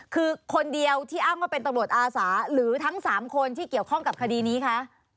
คือคนเดียวที่อ้างว่าเป็นตำรวจอาสาหรือทั้ง๓คนที่เกี่ยวข้องกับคดีนี้คะ